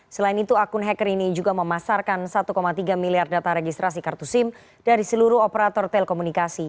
selain itu akun hacker ini juga memasarkan satu tiga miliar data registrasi kartu sim dari seluruh operator telekomunikasi